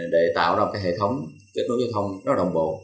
để tạo ra một cái hệ thống kết nối giao thông rất đồng bộ